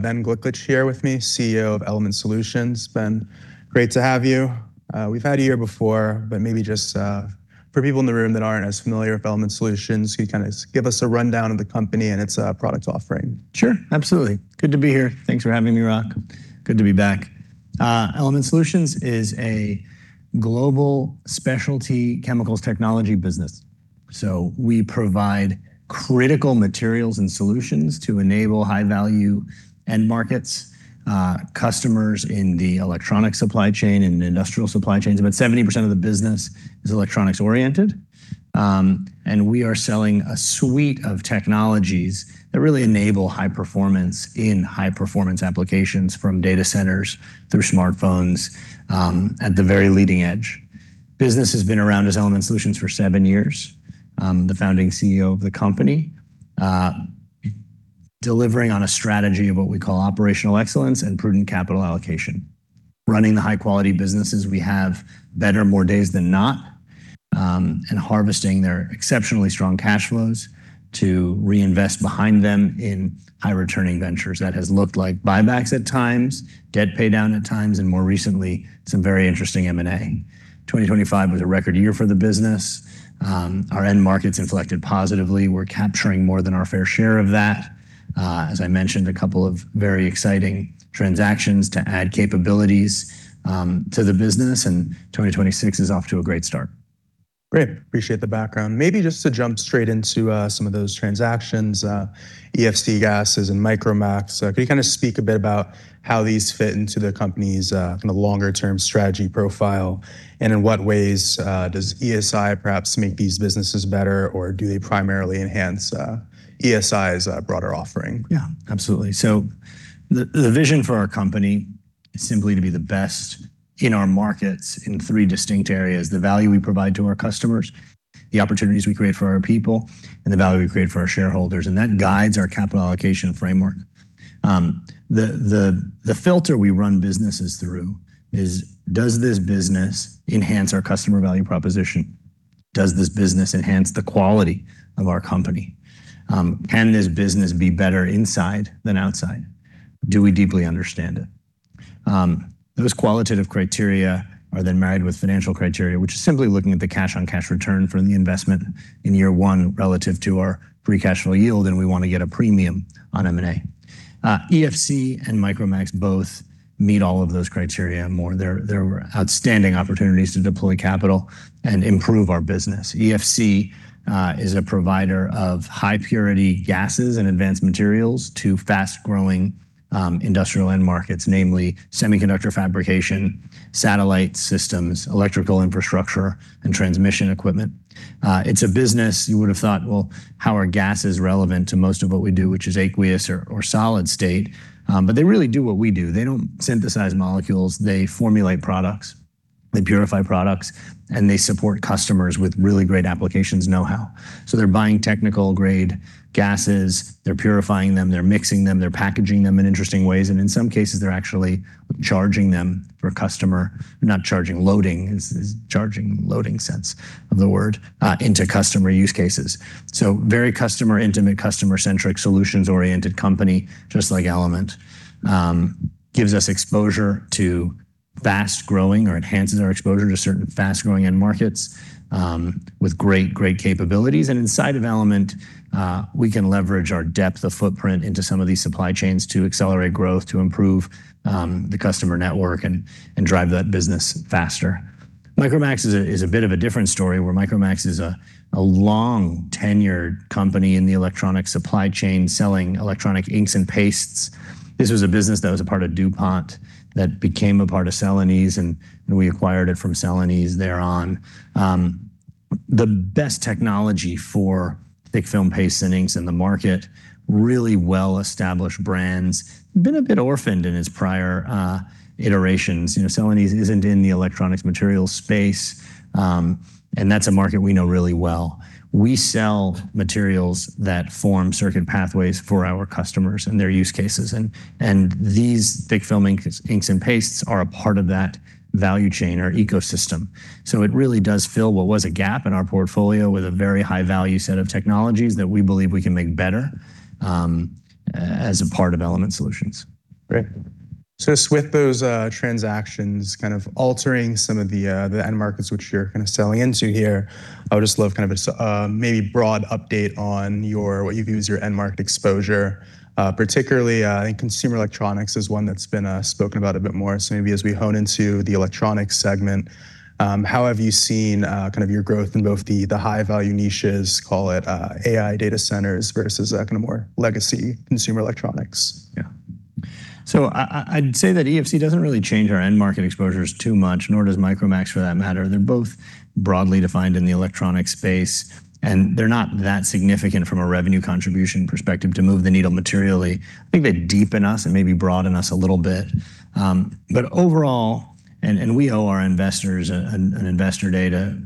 Benjamin Gliklich here with me, CEO of Element Solutions. Ben, great to have you. We've had you here before, but maybe just, for people in the room that aren't as familiar with Element Solutions, can you kind of give us a rundown of the c ompany and its, product offering? Sure, absolutely. Good to be here. Thanks for having me, Rock. Good to be back. Element Solutions is a global specialty chemicals technology business. We provide critical materials and solutions to enable high-value end markets, customers in the electronic supply chain and industrial supply chains. About 70% of the business is electronics-oriented, and we are selling a suite of technologies that really enable high performance in high-performance applications, from data centers through smartphones, at the very leading edge. Business has been around as Element Solutions for seven years. I'm the founding CEO of the company, delivering on a strategy of what we call operational excellence and prudent capital allocation. Running the high-quality businesses, we have better more days than not, and harvesting t heir exceptionally strong cash flows to reinvest behind them in high-returning ventures. That has looked like buybacks at times, debt paydown at times, and more recently, some very interesting M&A. 2025 was a record year for the business. Our end markets inflected positively. We're capturing more than our fair share of that. As I mentioned, a couple of very exciting transactions to add capabilities to the business, and 2026 is off to a great start. Great. Appreciate the background. Maybe just to jump straight into some of those transactions, EFC Gases and Micromax. Could you kinda speak a bit about how these fit into the company's kind of longer-term strategy profile? In what ways does ESI perhaps make these businesses better, or do they primarily enhance ESI's broader offering? Yeah, absolutely. The vision for our company is simply to be the best in our markets in three distinct areas: the value we provide to our customers, the opportunities we create for our people, and the value we create for our shareholders. That guides our capital allocation framework. The filter we run businesses through is: Does this business enhance our customer value proposition? Does this business enhance the quality of our company? Can this business be better inside than outside? Do we deeply understand it? Those qualitative criteria are then married with financial criteria, which is simply looking at the cash-on-cash return from the investment in year one relative to our free cash flow yield, and we wanna get a premium on M&A. EFC and Micromax both meet all of those criteria and more. They were outstanding opportunities to deploy capital and improve our business. EFC is a provider of high-purity gases and advanced materials to fast-growing industrial end markets, namely semiconductor fabrication, satellite systems, electrical infrastructure, and transmission equipment. It's a business you would have thought, well, how are gases relevant to most of what we do, which is aqueous or solid state? They really do what we do. They don't synthesize molecules, they formulate products, they purify products, and they support customers with really great applications know-how. They're buying technical-grade gases, they're purifying them, they're mixing them, they're packaging them in interesting ways, and in some cases, they're actually charging them for a customer. Not charging, loading is charging, loading sense of the word into customer use cases. Very customer-intimate, customer-centric, solutions-oriented company, just like Element. gives us exposure to fast-growing or enhances our exposure to certain fast-growing end markets with great capabilities. Inside of Element, we can leverage our depth of footprint into some of these supply chains to accelerate growth, to improve the customer network and drive that business faster. Micromax is a bit of a different story, where Micromax is a long-tenured company in the electronic supply chain, selling electronic inks and pastes. This was a business that was a part of DuPont, that became a part of Celanese, and we acquired it from Celanese thereon. The best technology for Thick Film Paste innings in the market, really well-established brands. Been a bit orphaned in its prior iterations. You know, Celanese isn't in the electronics materials space, and that's a market we know really well. We sell materials that form circuit pathways for our customers and their use cases, and these thick film inks and pastes are a part of that value chain or ecosystem. It really does fill what was a gap in our portfolio with a very high-value set of technologies that we believe we can make better as a part of Element Solutions. Great. Just with those transactions kind of altering some of the end markets, which you're kinda selling into here, I would just love kind of a maybe broad update on your, what you view as your end market exposure, particularly in consumer electronics is one that's been spoken about a bit more. Maybe as we hone into the electronics segment, how have you seen kind of your growth in both the high-value niches, call it, AI data centers versus kind of more legacy consumer electronics? I'd say that EFC doesn't really change our end market exposures too much, nor does Micromax, for that matter. They're both broadly defined in the electronic space, and they're not that significant from a revenue contribution perspective to move the needle materially. I think they deepen us and maybe broaden us a little bit, but overall, and we owe our investors an investor data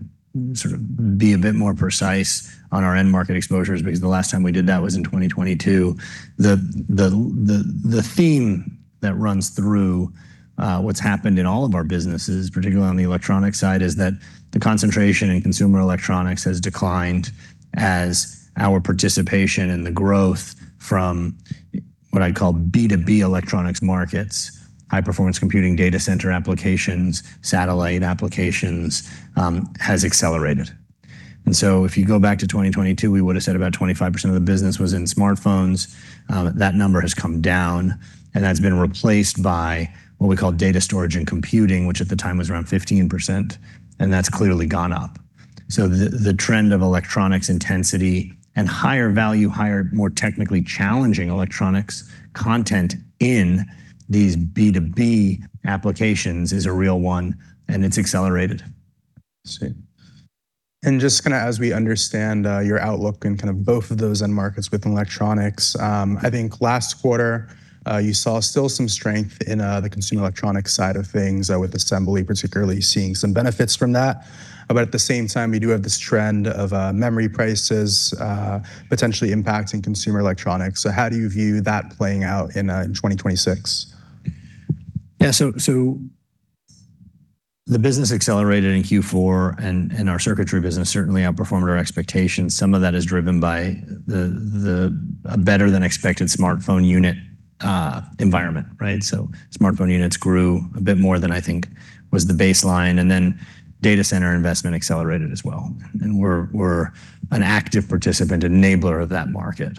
sort of be a bit more precise on our end market exposures, because the last time we did that was in 2022. The theme that runs through what's happened in all of our businesses, particularly on the electronic side, is that the concentration in consumer electronics has declined as our participation in the growth from what I'd call B2B electronics markets, high-performance computing data center applications, satellite applications, has accelerated. If you go back to 2022, we would have said about 25% of the business was in smartphones. That number has come down, and that's been replaced by what we call data storage and computing, which at the time was around 15%, and that's clearly gone up. The, the trend of electronics intensity and higher value, higher, more technically challenging electronics content in these B2B applications is a real one, and it's accelerated. I see. Just kinda as we understand your outlook in kind of both of those end markets within electronics, I think last quarter, you saw still some strength in the consumer electronics side of things, with assembly, particularly seeing some benefits from that. At the same time, we do have this trend of memory prices, potentially impacting consumer electronics. How do you view that playing out in 2026? The business accelerated in Q4, and our circuitry business certainly outperformed our expectations. Some of that is driven by a better-than-expected smartphone unit environment, right? Smartphone units grew a bit more than I think was the baseline, data center investment accelerated as well. We're an active participant, enabler of that market.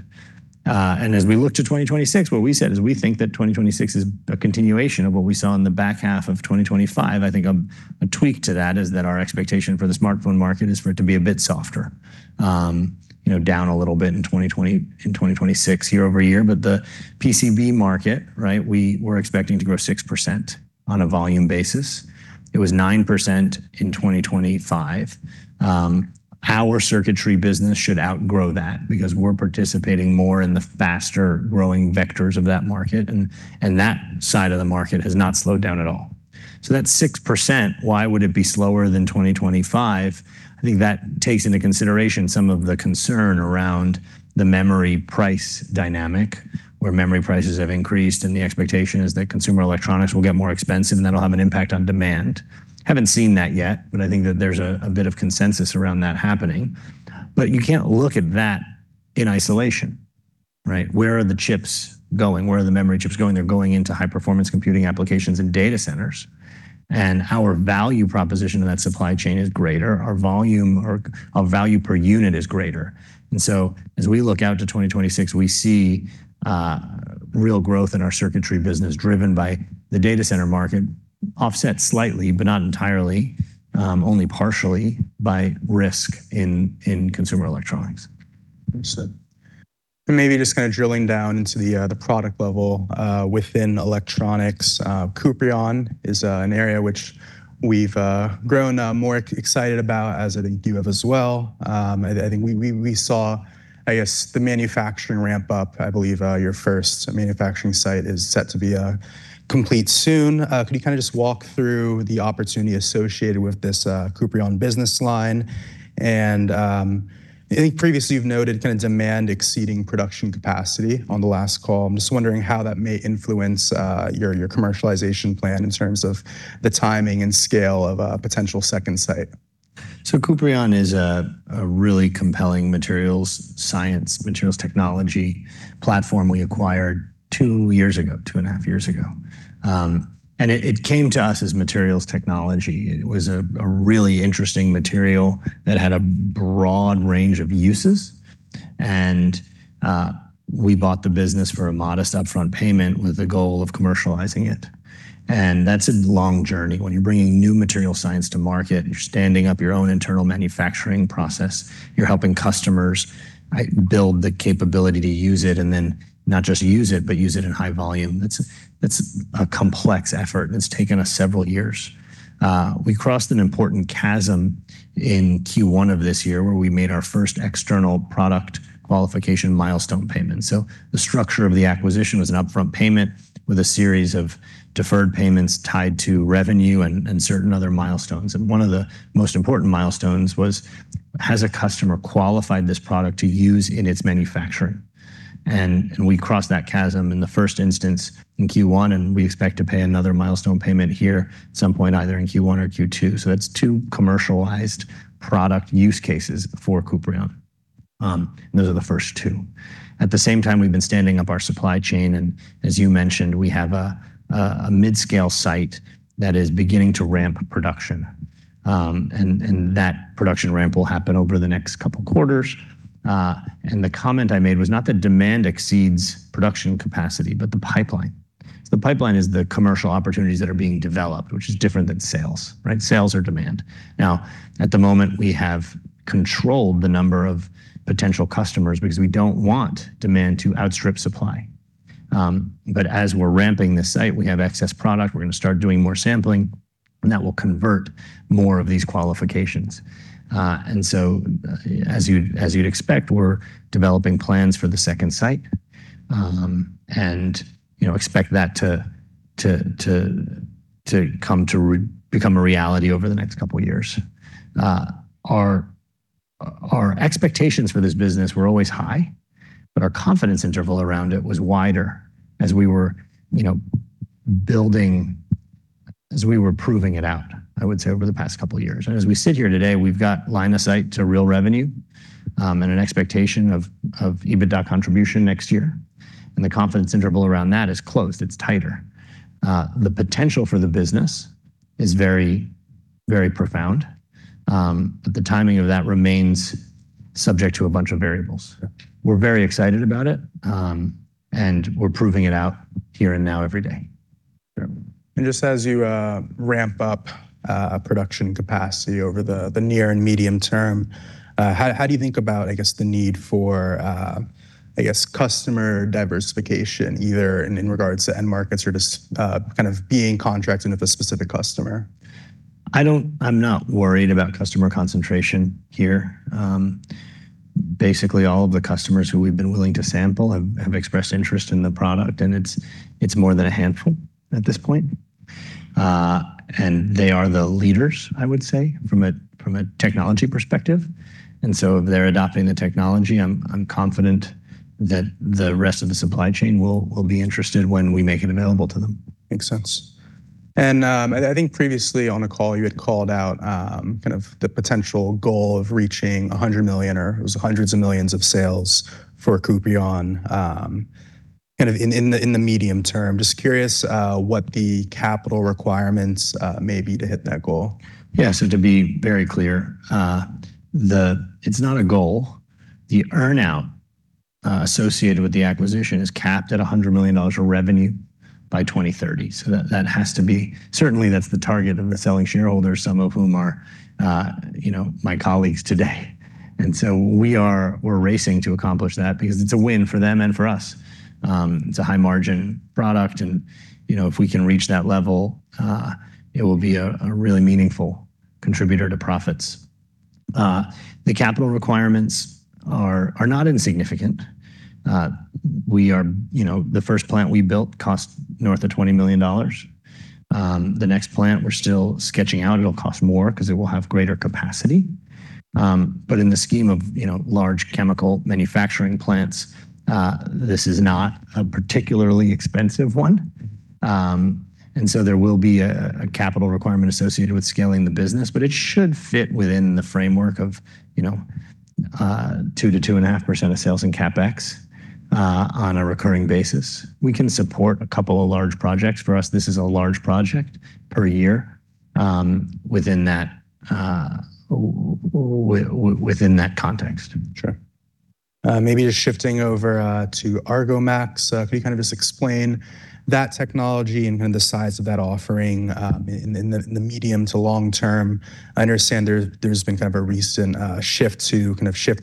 As we look to 2026, what we said is we think that 2026 is a continuation of what we saw in the back half of 2025. I think a tweak to that is that our expectation for the smartphone market is for it to be a bit softer, you know, down a little bit in 2026, year-over-year. The PCB market, right? We were expecting to grow 6% on a volume basis. It was 9% in 2025. Our circuitry business should outgrow that because we're participating more in the faster-growing vectors of that market, and that side of the market has not slowed down at all. That 6%, why would it be slower than 2025? I think that takes into consideration some of the concern around the memory price dynamic, where memory prices have increased, and the expectation is that consumer electronics will get more expensive, and that'll have an impact on demand. Haven't seen that yet, but I think that there's a bit of consensus around that happening. You can't look at that in isolation, right? Where are the chips going? Where are the memory chips going? They're going into high-performance computing applications and data centers, and our value proposition in that supply chain is greater. Our volume or our value per unit is greater. As we look out to 2026, we see real growth in our circuitry business, driven by the data center market, offset slightly, but not entirely, only partially by risk in consumer electronics. I see. Maybe just kinda drilling down into the product level within electronics. Cuprion is an area which we've grown more excited about, as I think you have as well. I think we saw, I guess, the manufacturing ramp up. I believe your first manufacturing site is set to be complete soon. Could you kinda just walk through the opportunity associated with this Cuprion business line? I think previously you've noted kinda demand exceeding production capacity on the last call. I'm just wondering how that may influence your commercialization plan in terms of the timing and scale of a potential second site. Cuprion is a really compelling materials science, materials technology platform we acquired two years ago, two and a half years ago. It came to us as materials technology. It was a really interesting material that had a broad range of uses. We bought the business for a modest upfront payment with the goal of commercializing it. That's a long journey. When you're bringing new material science to market, you're standing up your own internal manufacturing process, you're helping customers build the capability to use it, and then not just use it, but use it in high volume. That's a complex effort. It's taken us several years. We crossed an important chasm in Q1 of this year, where we made our first external product qualification milestone payment. The structure of the acquisition was an upfront payment with a series of deferred payments tied to revenue and certain other milestones. One of the most important milestones was, has a customer qualified this product to use in its manufacturing? We crossed that chasm in the first instance in Q1, and we expect to pay another milestone payment here at some point, either in Q1 or Q2. That's two commercialized product use cases for Cuprion. And those are the first two. At the same time, we've been standing up our supply chain, and as you mentioned, we have a mid-scale site that is beginning to ramp production. That production ramp will happen over the next couple quarters. The comment I made was not that demand exceeds production capacity, but the pipeline. The pipeline is the commercial opportunities that are being developed, which is different than sales, right? Sales are demand. Now, at the moment, we have controlled the number of potential customers because we don't want demand to outstrip supply. As we're ramping this site, we have excess product. We're gonna start doing more sampling, and that will convert more of these qualifications. As you, as you'd expect, we're developing plans for the second site, and, you know, expect that to, to come to become a reality over the next couple of years. Our expectations for this business were always high, but our confidence interval around it was wider as we were, you know, building as we were proving it out, I would say, over the past couple of years. As we sit here today, we've got line of sight to real revenue and an expectation of EBITDA contribution next year, and the confidence interval around that is closed. It's tighter. The potential for the business is very, very profound, but the timing of that remains subject to a bunch of variables. We're very excited about it, and we're proving it out here and now, every day. Sure. Just as you ramp up production capacity over the near and medium term, how do you think about, I guess, the need for, I guess, customer diversification, either in regards to end markets or just kind of being contracted with a specific customer? I'm not worried about customer concentration here. Basically, all of the customers who we've been willing to sample have expressed interest in the product, and it's more than a handful at this point. They are the leaders, I would say, from a technology perspective. If they're adopting the technology, I'm confident that the rest of the supply chain will be interested when we make it available to them. Makes sense. I think previously on the call, you had called out, kind of the potential goal of reaching $100 million, or it was $hundreds of millions of sales for Cuprion, kind of in the medium term. Just curious, what the capital requirements may be to hit that goal? To be very clear, it's not a goal. The earn-out associated with the acquisition is capped at $100 million of revenue by 2030. That has to be certainly, that's the target of the selling shareholders, some of whom are, you know, my colleagues today. We're racing to accomplish that because it's a win for them and for us. It's a high-margin product, and, you know, if we can reach that level, it will be a really meaningful contributor to profits. The capital requirements are not insignificant. You know, the first plant we built cost north of $20 million. The next plant, we're still sketching out, it'll cost more 'cause it will have greater capacity. In the scheme of, you know, large chemical manufacturing plants, this is not a particularly expensive one. There will be a capital requirement associated with scaling the business, but it should fit within the framework of, you know, 2 to 2.5% of sales and CapEx on a recurring basis. We can support a couple of large projects. For us, this is a large project per year, within that context. Sure. Maybe just shifting over to Argomax. Can you kind of just explain that technology and kind of the size of that offering in the medium to long term? I understand there's been kind of a recent shift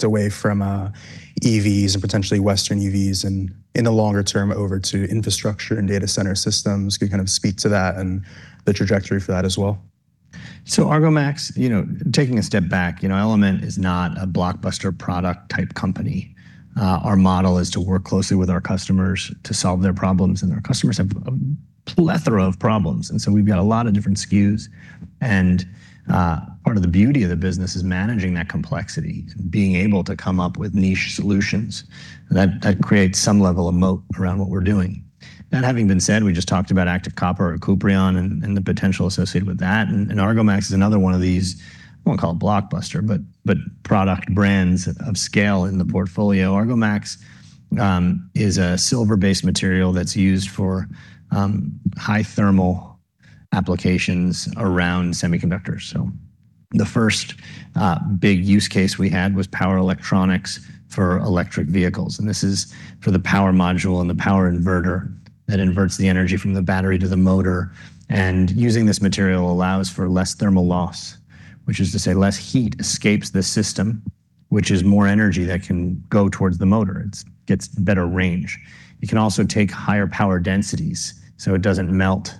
away from EVs and potentially Western EVs, and in the longer term, over to infrastructure and data center systems. Can you kind of speak to that and the trajectory for that as well? Argomax, you know, taking a step back, you know, Element is not a blockbuster product-type company. Our model is to work closely with our customers to solve their problems, and our customers have a plethora of problems. We've got a lot of different SKUs. Part of the beauty of the business is managing that complexity, being able to come up with niche solutions that create some level of moat around what we're doing. That having been said, we just talked about Active Copper or Cuprion and the potential associated with that. Argomax is another one of these, I won't call it blockbuster, but product brands of scale in the portfolio. Argomax is a silver-based material that's used for high thermal applications around semiconductors. The first big use case we had was power electronics for electric vehicles. This is for the power module and the power inverter that inverts the energy from the battery to the motor. Using this material allows for less thermal loss, which is to say, less heat escapes the system, which is more energy that can go towards the motor. It gets better range. It can also take higher power densities, so it doesn't melt,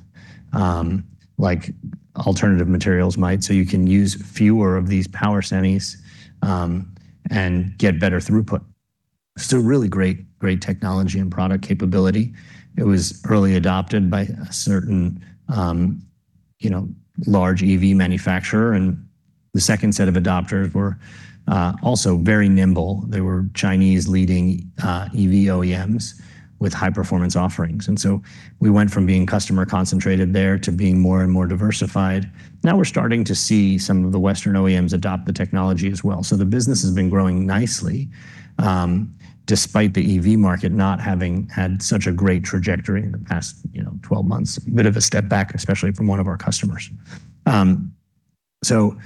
like alternative materials might. You can use fewer of these power semiconductors and get better throughput. Really great technology and product capability. It was early adopted by a certain, you know, large EV manufacturer. The second set of adopters were also very nimble. They were Chinese leading EV OEMs with high-performance offerings. We went from being customer concentrated there to being more and more diversified. We're starting to see some of the Western OEMs adopt the technology as well. The business has been growing nicely, despite the EV market not having had such a great trajectory in the past, you know, 12 months. A bit of a step back, especially from one of our customers. The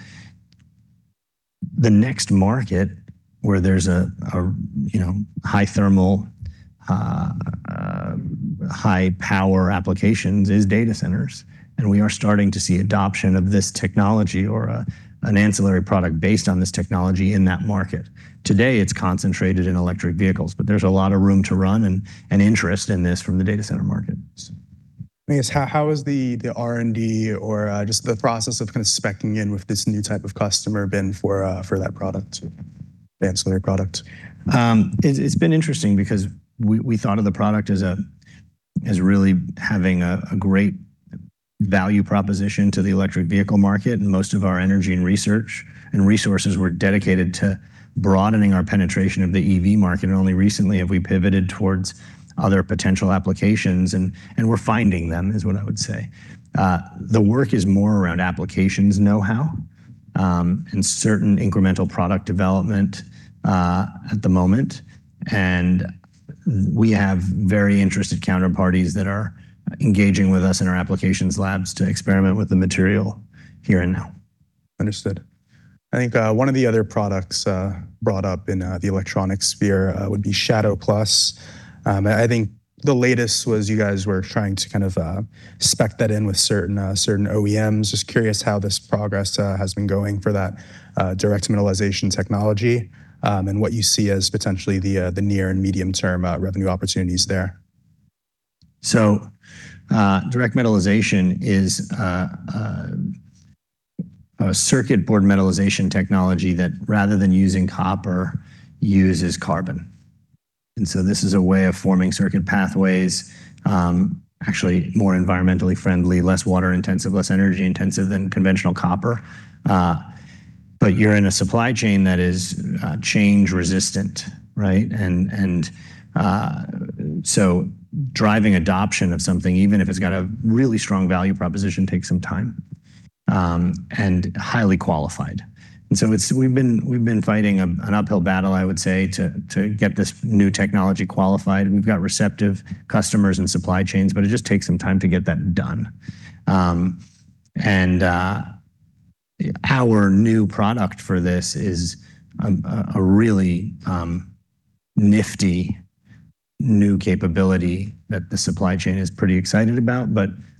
next market where there's a, you know, high thermal, high power applications is data centers, and we are starting to see adoption of this technology or an ancillary product based on this technology in that market. Today, it's concentrated in electric vehicles, there's a lot of room to run and interest in this from the data center market. I guess, how is the R&D or, just the process of kind of spec-ing in with this new type of customer been for that product, the ancillary product? It's been interesting because we thought of the product as really having a great value proposition to the electric vehicle market, and most of our energy and research and resources were dedicated to broadening our penetration of the EV market. Only recently have we pivoted towards other potential applications, and we're finding them, is what I would say. The work is more around applications know-how, and certain incremental product development at the moment, and we have very interested counterparties that are engaging with us in our applications labs to experiment with the material here and now. Understood. I think one of the other products brought up in the electronic sphere would be Shadow Plus. I think the latest was you guys were trying to kind of spec that in with certain certain OEMs. Just curious how this progress has been going for that direct metallization technology, and what you see as potentially the near and medium-term revenue opportunities there. Direct metallization is a circuit board metallization technology that rather than using copper, uses carbon. This is a way of forming circuit pathways, actually more environmentally friendly, less water intensive, less energy intensive than conventional copper. You're in a supply chain that is change resistant, right? Driving adoption of something, even if it's got a really strong value proposition, takes some time and highly qualified. We've been fighting an uphill battle, I would say, to get this new technology qualified. We've got receptive customers and supply chains, but it just takes some time to get that done. Our new product for this is a really nifty new capability that the supply chain is pretty excited about.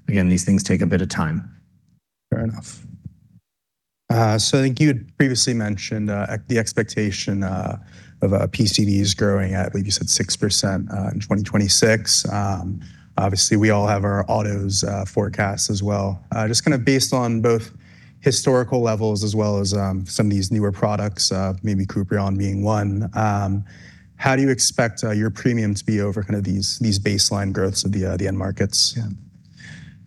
Again, these things take a bit of time. Fair enough. I think you had previously mentioned the expectation of PCBs growing at, I believe you said 6%, in 2026. Obviously, we all have our autos forecasts as well. Just kind of based on both historical levels as well as some of these newer products, maybe Cuprion being one, how do you expect your premium to be over kind of these baseline growths of the end markets?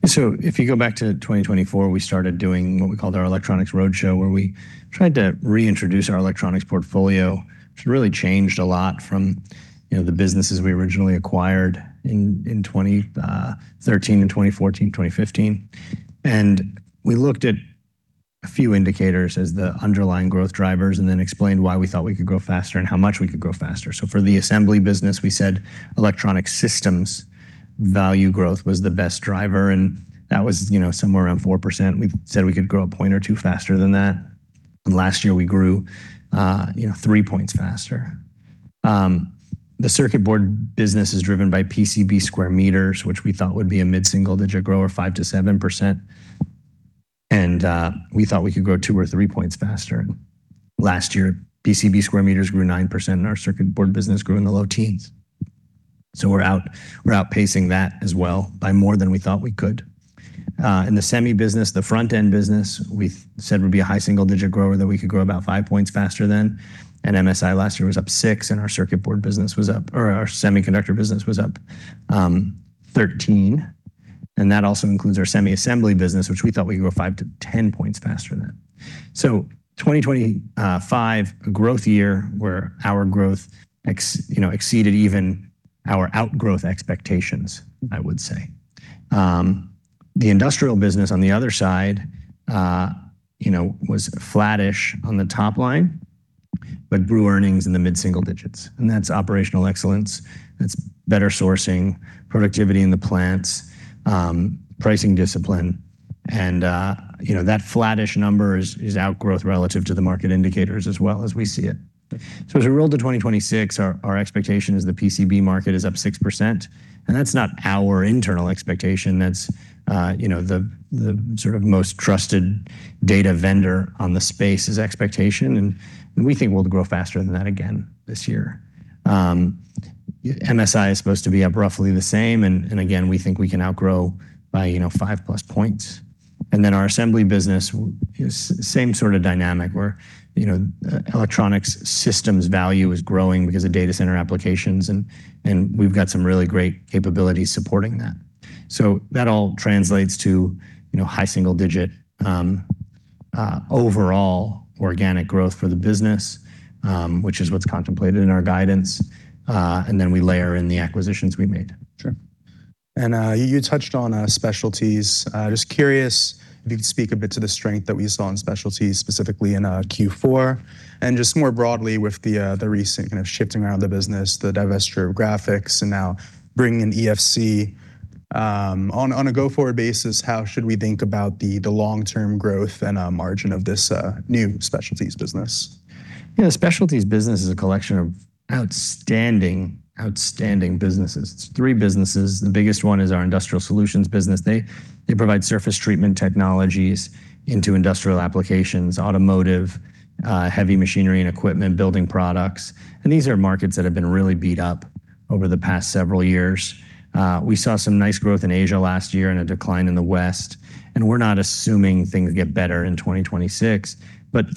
Yeah. If you go back to 2024, we started doing what we called our electronics roadshow, where we tried to reintroduce our electronics portfolio, which really changed a lot from, you know, the businesses we originally acquired in 2013 and 2014, 2015. We looked at a few indicators as the underlying growth drivers and then explained why we thought we could grow faster and how much we could grow faster. For the assembly business, we said electronic systems value growth was the best driver, and that was, you know, somewhere around 4%. We said we could grow a point or two faster than that, and last year we grew, you know, three points faster. The circuit board business is driven by PCB square meters, which we thought would be a mid-single-digit grower, 5 to 7%, and we thought we could grow 2 or 3 points faster. Last year, PCB square meters grew 9%, and our circuit board business grew in the low teens. We're outpacing that as well by more than we thought we could. In the semi business, the front-end business, we said would be a high-single-digit grower, that we could grow about five points faster then. MSI last year was up six, and our semiconductor business was up 13, and that also includes our semi-assembly business, which we thought we could grow 5-10 points faster than. 2025, a growth year where our growth, you know, exceeded even our outgrowth expectations, I would say. The industrial business on the other side, you know, was flattish on the top line, but grew earnings in the mid-single digits, and that's operational excellence. That's better sourcing, productivity in the plants, pricing discipline, and, you know, that flattish number is outgrowth relative to the market indicators as well as we see it. As we roll to 2026, our expectation is the PCB market is up 6%, and that's not our internal expectation. That's, you know, the sort of most trusted data vendor on the space's expectation, and we think we'll grow faster than that again this year. MSI is supposed to be up roughly the same. Again, we think we can outgrow by, you know, 5+ points. Our assembly business is same sort of dynamic where, you know, electronics systems value is growing because of data center applications, and we've got some really great capabilities supporting that. That all translates to, you know, high single-digit overall organic growth for the business, which is what's contemplated in our guidance. We layer in the acquisitions we made. Sure. You touched on specialties. Just curious if you could speak a bit to the strength that we saw in specialties, specifically in Q4, and just more broadly with the recent kind of shifting around the business, the divestiture of graphics, and now bringing in EFC. On a go-forward basis, how should we think about the long-term growth and margin of this new specialties business? Yeah. The specialties business is a collection of outstanding businesses. It's three businesses. They provide surface treatment technologies into industrial applications, automotive, heavy machinery and equipment, building products. These are markets that have been really beat up over the past several years. We saw some nice growth in Asia last year. A decline in the West. We're not assuming things get better in 2026.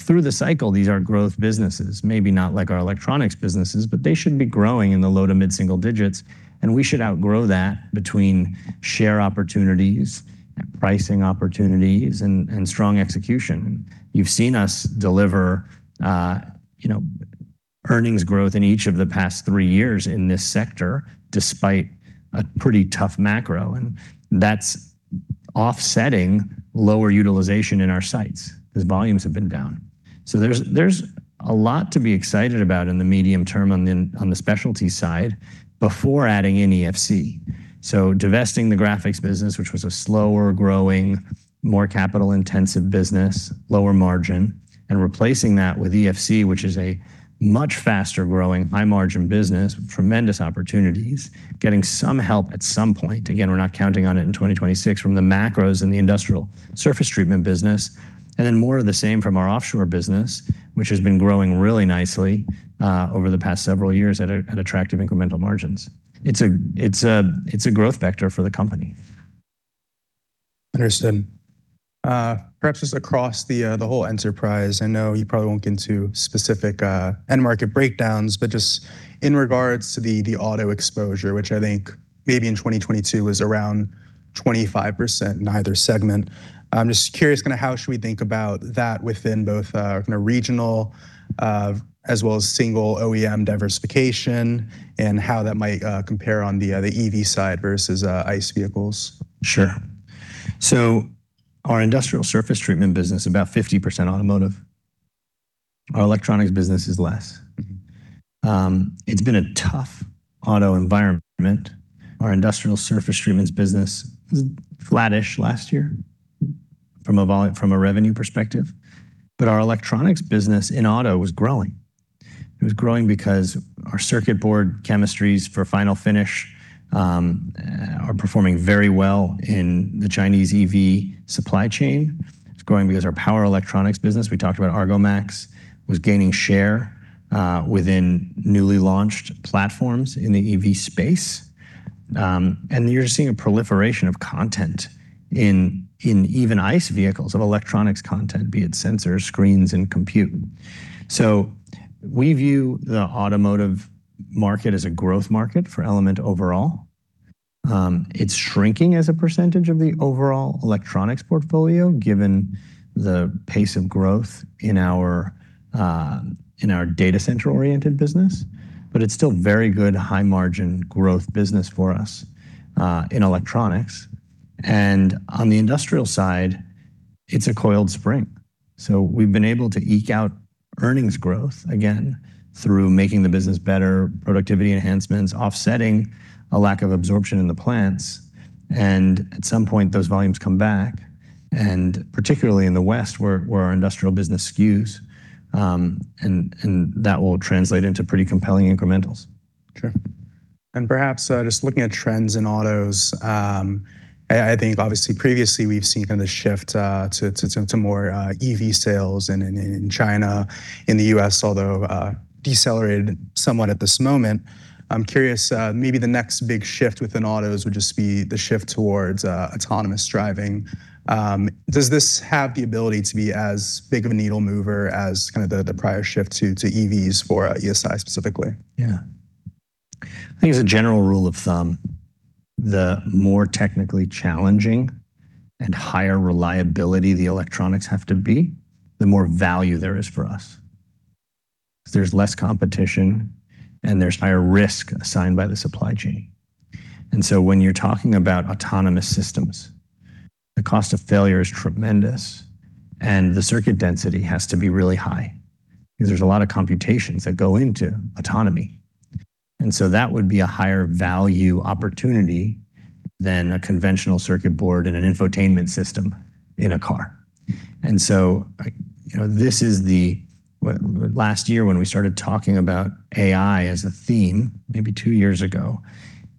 Through the cycle, these are growth businesses. Maybe not like our electronics businesses, but they should be growing in the low to mid-single digits. We should outgrow that between share opportunities, and pricing opportunities, and strong execution. You've seen us deliver, you know, earnings growth in each of the past three years in this sector, despite a pretty tough macro, and that's offsetting lower utilization in our sites, because volumes have been down. There's a lot to be excited about in the medium term on the, on the specialty side before adding in EFC. Divesting the graphics business, which was a slower growing, more capital-intensive business, lower margin, and replacing that with EFC, which is a much faster growing, high-margin business, tremendous opportunities, getting some help at some point, again, we're not counting on it in 2026, from the macros and the industrial surface treatment business, more of the same from our offshore business, which has been growing really nicely, over the past several years at attractive incremental margins. It's a growth vector for the company. Understood. Perhaps just across the whole enterprise, I know you probably won't get into specific end market breakdowns, but just in regards to the auto exposure, which I think maybe in 2022 was around 25% in either segment. I'm just curious, kinda how should we think about that within both, kinda regional, as well as single OEM diversification, and how that might compare on the EV side versus ICE vehicles? Sure. Our industrial surface treatment business, about 50% automotive. Our electronics business is less. It's been a tough auto environment. Our industrial surface treatments business was flattish last year from a revenue perspective, but our electronics business in auto was growing. It was growing because our circuit board chemistries for final finish are performing very well in the Chinese EV supply chain. It's growing because our power electronics business, we talked about Argomax, was gaining share within newly launched platforms in the EV space. You're just seeing a proliferation of content in even ICE vehicles, of electronics content, be it sensors, screens, and compute. We view the automotive market as a growth market for Element overall. It's shrinking as a percentage of the overall electronics portfolio, given the pace of growth in our data center-oriented business, but it's still very good, high-margin growth business for us in electronics. On the industrial side, it's a coiled spring. We've been able to eke out earnings growth, again, through making the business better, productivity enhancements, offsetting a lack of absorption in the plants, and at some point, those volumes come back, and particularly in the West, where our industrial business skews, and that will translate into pretty compelling incrementals. Sure. Perhaps, just looking at trends in autos, I think obviously previously, we've seen kind of shift to more EV sales in China, in the US, although decelerated somewhat at this moment. I'm curious, maybe the next big shift within autos would just be the shift towards autonomous driving. Does this have the ability to be as big of a needle mover as kind of the prior shift to EVs for ESI specifically? Yeah. I think as a general rule of thumb, the more technically challenging and higher reliability the electronics have to be, the more value there is for us, because there's less competition and there's higher risk assigned by the supply chain. When you're talking about autonomous systems, the cost of failure is tremendous, and the circuit density has to be really high, because there's a lot of computations that go into autonomy. That would be a higher value opportunity than a conventional circuit board and an infotainment system in a car. You know, this is the... well, last year, when we started talking about AI as a theme, maybe two years ago,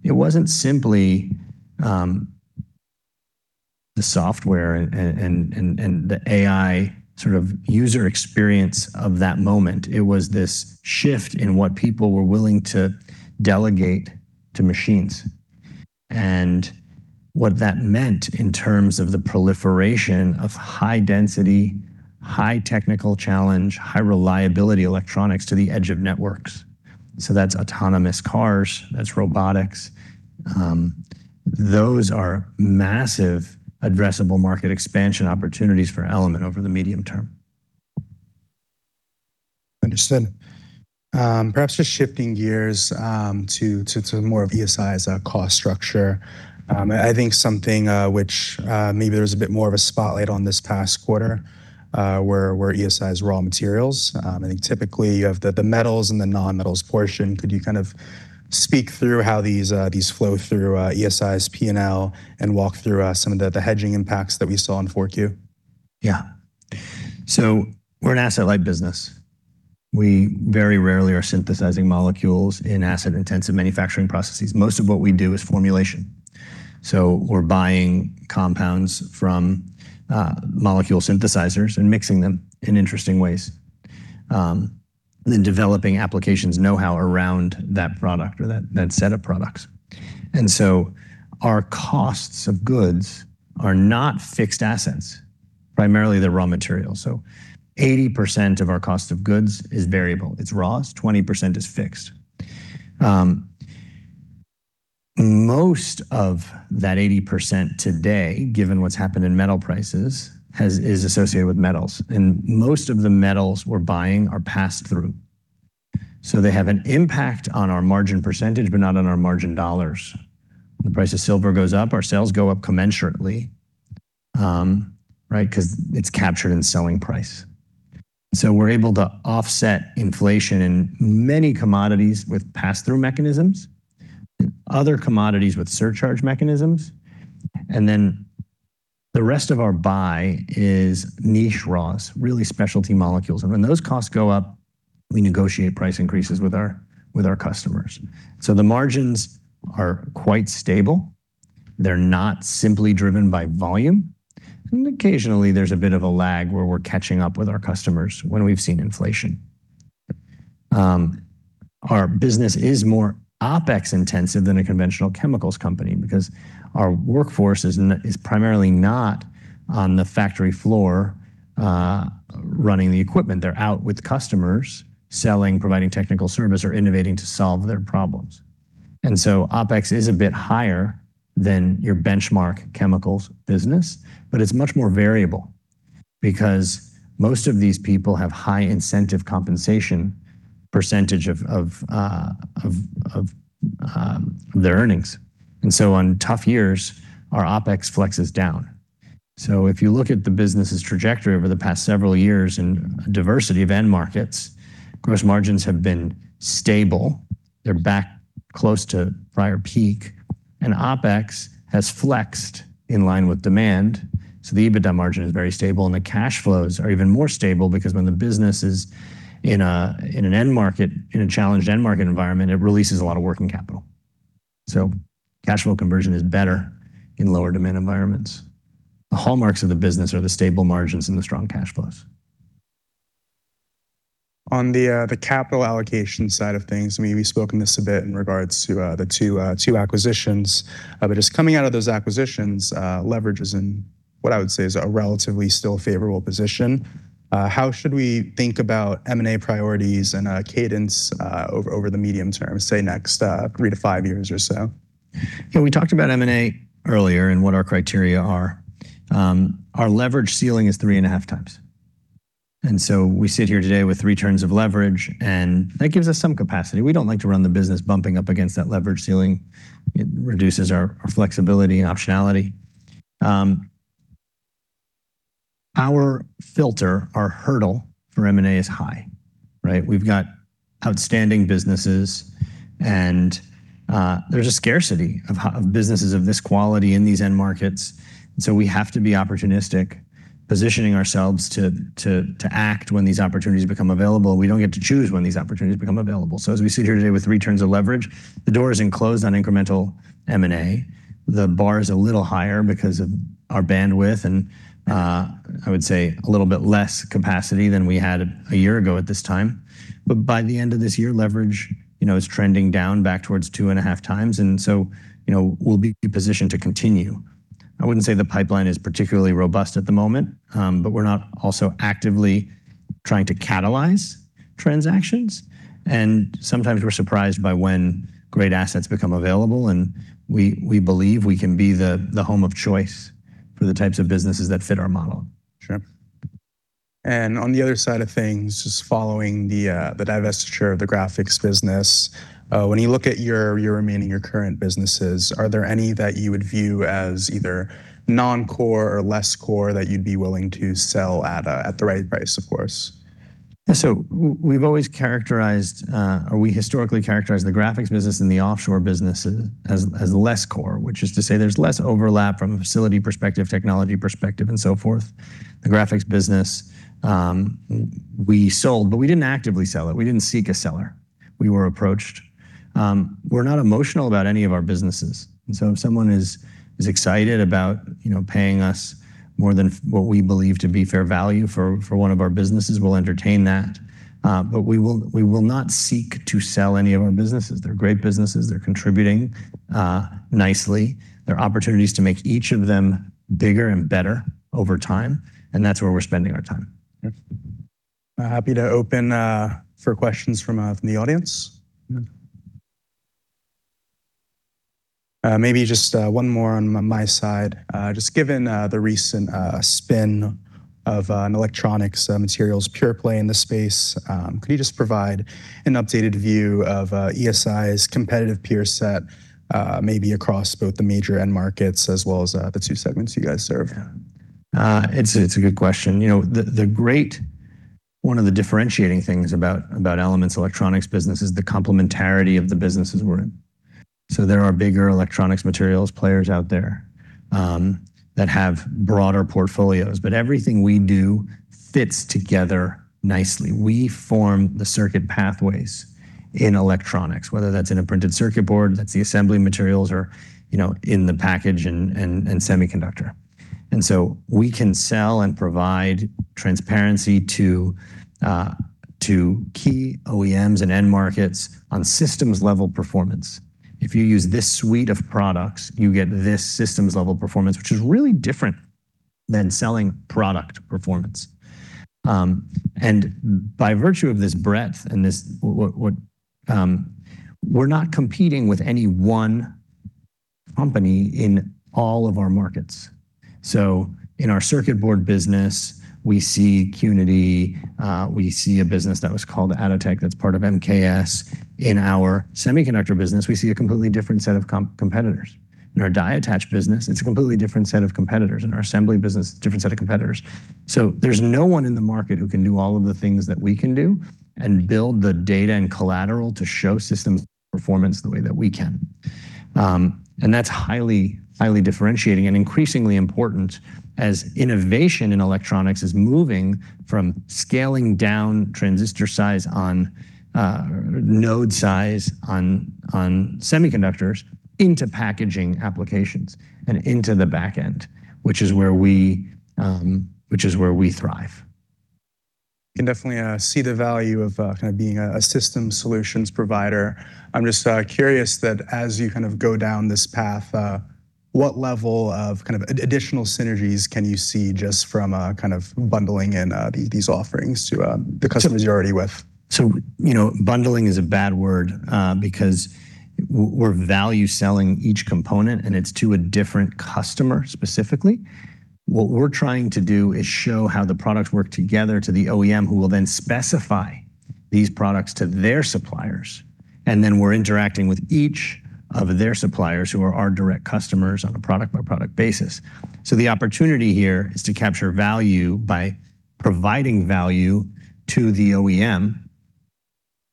it wasn't simply the software and the AI sort of user experience of that moment. It was this shift in what people were willing to delegate to machines, and what that meant in terms of the proliferation of high density, high technical challenge, high reliability electronics to the edge of networks. That's autonomous cars, that's robotics. Those are massive addressable market expansion opportunities for Element over the medium term. Understood. Perhaps just shifting gears to more of ESI's cost structure. I think something which maybe there was a bit more of a spotlight on this past quarter were ESI's raw materials. I think typically you have the metals and the non-metals portion. Could you kind of speak through how these flow through ESI's PNL and walk through some of the hedging impacts that we saw in 4Q? We're an asset-light business. We very rarely are synthesizing molecules in asset-intensive manufacturing processes. Most of what we do is formulation. We're buying compounds from molecule synthesizers and mixing them in interesting ways, then developing applications know-how around that product or that set of products. Our costs of goods are not fixed assets. Primarily the raw material. 80% of our cost of goods is variable. It's raws, 20% is fixed. Most of that 80% today, given what's happened in metal prices, is associated with metals, and most of the metals we're buying are pass-through. They have an impact on our margin percentage, but not on our margin dollars. When the price of silver goes up, our sales go up commensurately, right? 'Cause it's captured in selling price. We're able to offset inflation in many commodities with pass-through mechanisms, other commodities with surcharge mechanisms, and then the rest of our buy is niche raws, really specialty molecules. When those costs go up, we negotiate price increases with our customers. The margins are quite stable. They're not simply driven by volume, and occasionally there's a bit of a lag where we're catching up with our customers when we've seen inflation. Our business is more OpEx intensive than a conventional chemicals company because our workforce is primarily not on the factory floor, running the equipment. They're out with customers, selling, providing technical service or innovating to solve their problems. OpEx is a bit higher than your benchmark chemicals business, but it's much more variable because most of these people have high incentive compensation percentage of their earnings, and so on tough years, our OpEx flexes down. If you look at the business's trajectory over the past several years and diversity of end markets, gross margins have been stable. They're back close to prior peak, and OpEx has flexed in line with demand, so the EBITDA margin is very stable, and the cash flows are even more stable because when the business is in a, in an end market, in a challenged end market environment, it releases a lot of working capital. Cash flow conversion is better in lower demand environments. The hallmarks of the business are the stable margins and the strong cash flows. On the capital allocation side of things, I mean, we've spoken this a bit in regards to, the two acquisitions. Just coming out of those acquisitions, leverages and what I would say is a relatively still favorable position. How should we think about M&A priorities and, cadence, over the medium term, say, next, 3 to 5 years or so? We talked about M&A earlier and what our criteria are. Our leverage ceiling is 3.5x. We sit here today with three turns of leverage, and that gives us some capacity. We don't like to run the business bumping up against that leverage ceiling. It reduces our flexibility and optionality. Our filter, our hurdle for M&A is high, right? We've got outstanding businesses. There's a scarcity of businesses of this quality in these end markets, so we have to be opportunistic, positioning ourselves to act when these opportunities become available. We don't get to choose when these opportunities become available. As we sit here today with three turns of leverage, the door isn't closed on incremental M&A. The bar is a little higher because of our bandwidth, and I would say a little bit less capacity than we had a year ago at this time. By the end of this year, leverage, you know, is trending down back towards 2.5x. You know, we'll be positioned to continue. I wouldn't say the pipeline is particularly robust at the moment, but we're not also actively trying to catalyze transactions. Sometimes we're surprised by when great assets become available, and we believe we can be the home of choice for the types of businesses that fit our model. Sure. On the other side of things, just following the divestiture of the graphics business, when you look at your remaining, your current businesses, are there any that you would view as either non-core or less core that you'd be willing to sell at a, at the right price, of course? We've always characterized or we historically characterized the graphics business and the offshore business as less core, which is to say there's less overlap from a facility perspective, technology perspective, and so forth. The graphics business we sold. We didn't actively sell it. We didn't seek a seller. We were approached. We're not emotional about any of our businesses. If someone is excited about, you know, paying us more than what we believe to be fair value for one of our businesses, we'll entertain that. We will not seek to sell any of our businesses. They're great businesses. They're contributing nicely. There are opportunities to make each of them bigger and better over time, and that's where we're spending our time. I'm happy to open for questions from the audience. Maybe just one more on my side. Just given the recent spin of an electronics materials pure play in this space, could you just provide an updated view of ESI's competitive peer set, maybe across both the major end markets as well as the two segments you guys serve? It's a good question. You know, the differentiating things about Element Solutions Electronics business is the complementarity of the businesses we're in. There are bigger electronics materials players out there that have broader portfolios, but everything we do fits together nicely. We form the circuit pathways in electronics, whether that's in a printed circuit board, that's the assembly materials or, you know, in the package and semiconductor. We can sell and provide transparency to key OEMs and end markets on systems-level performance. If you use this suite of products, you get this systems-level performance, which is really different than selling product performance. By virtue of this breadth and this, what, we're not competing with any one company in all of our markets. In our circuit board business, we see Qnity, we see a business that was called Atotech, that's part of MKS. In our semiconductor business, we see a completely different set of competitors. In our die-attach business, it's a completely different set of competitors. In our assembly business, different set of competitors. There's no one in the market who can do all of the things that we can do and build the data and collateral to show systems performance the way that we can. That's highly differentiating and increasingly important as innovation in electronics is moving from scaling down transistor size on node size on semiconductors into packaging applications and into the back end, which is where we, which is where we thrive. I can definitely see the value of kind of being a systems solutions provider. I'm just curious that as you kind of go down this path, what level of kind of additional synergies can you see just from kind of bundling in these offerings to the customers you're already with? You know, bundling is a bad word, because we're value selling each component, and it's to a different customer, specifically. What we're trying to do is show how the products work together to the OEM, who will then specify these products to their suppliers, and then we're interacting with each of their suppliers, who are our direct customers, on a product-by-product basis. The opportunity here is to capture value by providing value to the OEM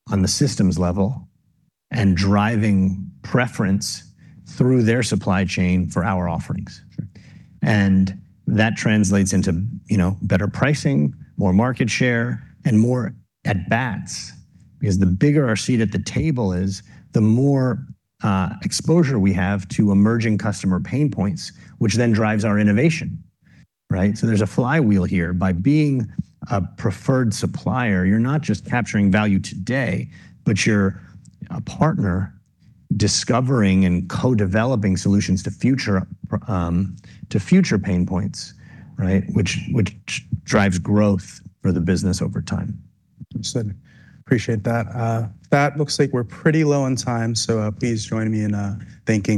on the systems level and driving preference through their supply chain for our offerings. Sure. That translates into, you know, better pricing, more market share, and more at bats, because the bigger our seat at the table is, the more exposure we have to emerging customer pain points, which then drives our innovation, right? There's a flywheel here. By being a preferred supplier, you're not just capturing value today, but you're a partner discovering and co-developing solutions to future, to future pain points, right? Which drives growth for the business over time. Understood. Appreciate that. Fahd, looks like we're pretty low on time, so, please join me in, thanking-